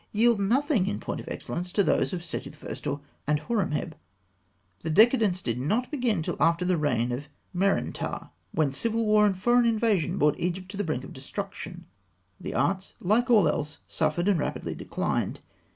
yield nothing in point of excellence to those of Seti I. and Horemheb. The decadence did not begin till after the reign of Merenptah. When civil war and foreign invasion brought Egypt to the brink of destruction, the arts, like all else, suffered and rapidly declined.